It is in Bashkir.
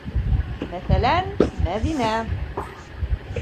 Мәҫәлән, Мәҙинә.